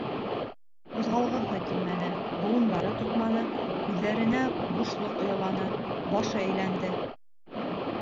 Ҡуҙғалғыһы килмәне, быуындары тотманы, күҙҙәренә бушлыҡ ояланы, башы әйләнде.